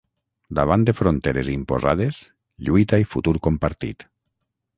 Davant de fronteres imposades, lluita i futur compartit.